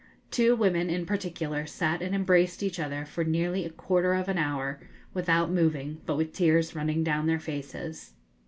Two women, in particular, sat and embraced each other for nearly a quarter of an hour, without moving, but with tears running down their faces.